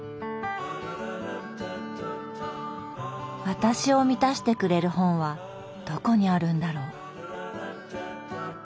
私を満たしてくれる本はどこにあるんだろう。